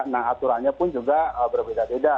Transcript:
nah aturannya pun juga berbeda beda